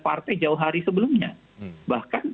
partai jauh hari sebelumnya bahkan